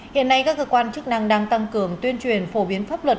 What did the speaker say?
hiện nay các cơ quan chức năng đang tăng cường tuyên truyền phổ biến pháp luật